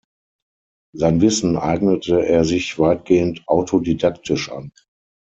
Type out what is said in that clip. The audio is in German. Sein Wissen eignete er sich weitgehend autodidaktisch an.